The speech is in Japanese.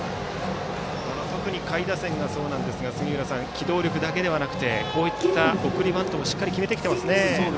特に下位打線がそうですが機動力だけではなく送りバントもしっかり決めてきていますね。